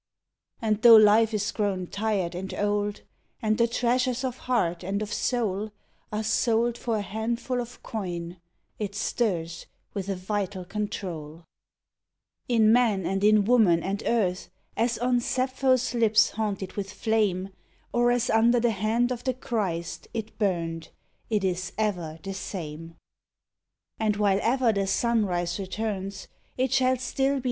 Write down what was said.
And though life is grown tired and old, And the treasures of heart and of soul Are sold for a handful of coin, It stirs with a vital control In man and in woman and earth, As on Sappho's lips haunted with flame, Or as under the hand of the Christ It burned it is ever the same. And while ever the sunrise returns It shall still be